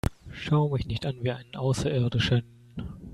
Schau mich nicht an wie einen Außerirdischen!